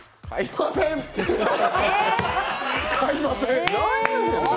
買いません。